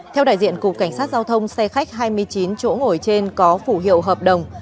theo đại diện cục cảnh sát giao thông xe khách hai mươi chín chỗ ngồi trên có phủ hiệu hợp đồng